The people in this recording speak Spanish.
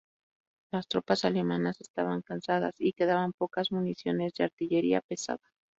Las tropas alemanas estaban cansadas y quedaban pocas municiones de artillería pesada.